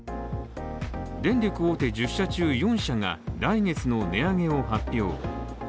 電力大手１０社中４社が来月の値上げを発表。